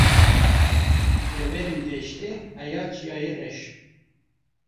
Deverên deştê heya Çiyayê reş